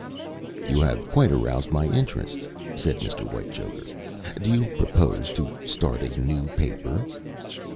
"You have quite aroused my interest," said Mr. Whitechoker. "Do you propose to start a new paper?"